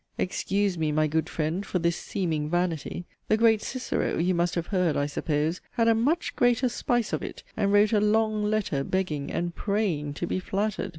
Excuse me, my good friend, for this 'seeming vanity.' The great Cicero (you must have heard, I suppose) had a 'much greater' spice of it, and wrote a 'long letter begging' and 'praying' to be 'flattered.'